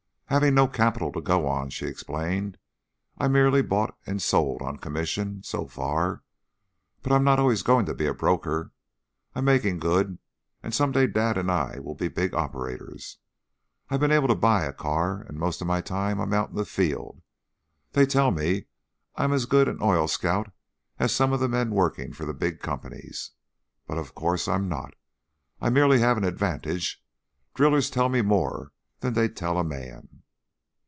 "Having no capital to go on," she explained, "I've merely bought and sold on commission so far, but I'm not always going to be a broker. I'm making good, and some day dad and I will be big operators. I've been able to buy a car, and most of my time I'm out in the field. They tell me I'm as good an oil scout as some of the' men working for the big companies; but, of course, I'm not. I merely have an advantage; drillers tell me more than they'd tell a man."